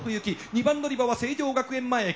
２番乗り場は成城学園前駅。